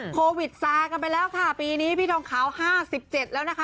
โควิดซากันไปแล้วค่ะปีนี้พี่ทองขาว๕๗แล้วนะคะ